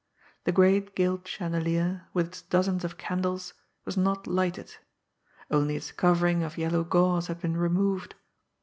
The great gilt chandelier, with its dozens of candles, was not lighted. Only its cover ing of yellow gauze had been removed.